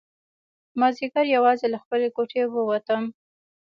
مازیګر یوازې له خپلې کوټې ووتم.